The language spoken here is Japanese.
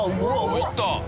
いった！